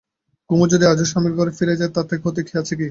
কুমু যদি আজই স্বামীর ঘরে ফিরে যায় তাতে ক্ষতি আছে কি?